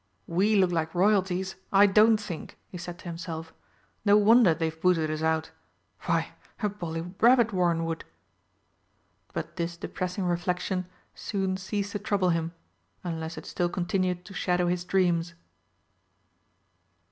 "We look like Royalties I don't think!" he said to himself. "No wonder they've booted us out. Why, a bally rabbit warren would!" But this depressing reflection soon ceased to trouble him, unless it still continued to shadow his dreams.